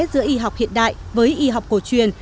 giữa y học hiện đại với y học cổ truyền